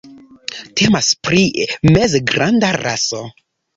Temas pri mezgranda raso.